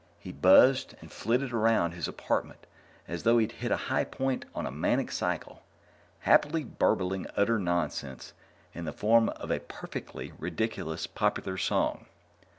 He buzzed and flitted around his apartment as though he'd hit a high point on a manic cycle, happily burbling utter nonsense in the form of a perfectly ridiculous popular song.